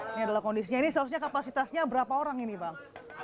ini adalah kondisinya ini seharusnya kapasitasnya berapa orang ini bang